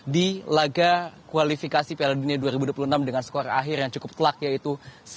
di laga kualifikasi piala dunia dua ribu dua puluh enam dengan skor akhir yang cukup telak yaitu satu